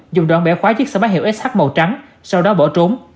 dùng đoạn bẻ khóa chiếc xe máy hiệu sh màu trắng sau đó bỏ trốn